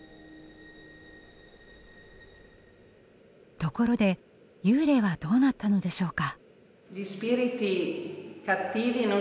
ところで幽霊はどうなったのでしょうか。